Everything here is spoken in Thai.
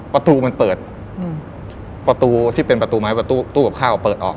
ประตูมันเปิดประตูที่เป็นประตูไม้ประตูตู้กับข้าวเปิดออก